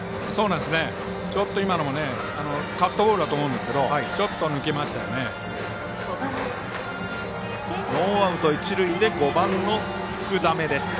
ちょっと今のもカットボールだと思うんですがちょっと抜けましたよね。